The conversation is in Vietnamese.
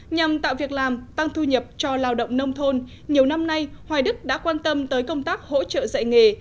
nhằm tạo việc làm tăng thu nhập cho lao động nông thôn nhiều năm nay hoài đức đã quan tâm tới công tác hỗ trợ dạy nghề